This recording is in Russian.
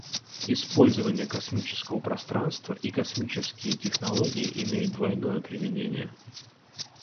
Использование космического пространства и космические технологии имеют двойное применение.